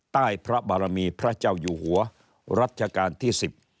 ใต้พระบารมีพระเจ้าอยู่หัวรัชกาลที่๑๐